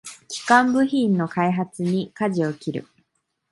基幹部品の開発にかじを切る